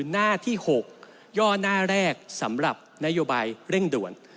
หน้าที่๖ย่อหน้าแรกสำหรับนโยบายเร่งด่วน